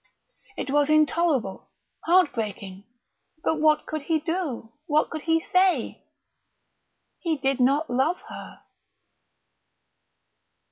It was intolerable, heartbreaking; but what could he do what could he say? He did not love her...